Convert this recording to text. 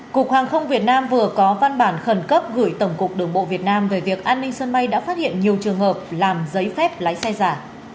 cục hàng không việt nam vừa có văn bản khẩn cấp gửi tổng cục đường bộ việt nam về việc an ninh sân bay đã phát hiện nhiều trường hợp làm giấy phép lái xe giả